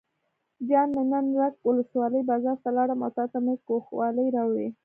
جان مې نن رګ ولسوالۍ بازار ته لاړم او تاته مې ګوښالي راوړې.